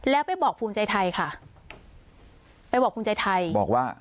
แล้วไปบอกภูมิใจไทยค่ะไปบอกภูมิใจไทยบอกว่า